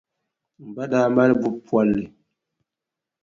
M ba daa mali buʼ polli.